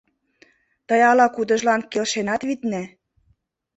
Тый ала-кудыжлан келшенат, витне.